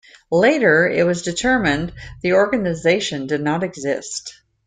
Later, it was determined the organization did not exist.